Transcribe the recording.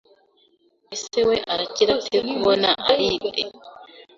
Ese we arakira ate kubona Alide